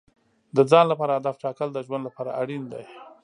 د ځان لپاره هدف ټاکل د ژوند لپاره اړین دي.